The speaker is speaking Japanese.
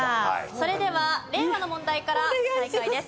それでは令和の問題から再開です。